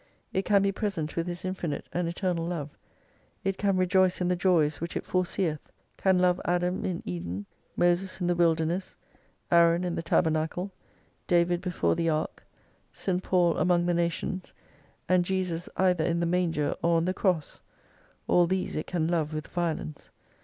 It can be present with His infinite and eternal Love, it can rejoice in the joys which it foreseeth : Can Love Adam in Eden, Moses in the wilderness, Aaron in the tabernacle, David before the Ark, S. Paul among the nations, and Jesus either in the manger or on the Cross : All these it can love with violence.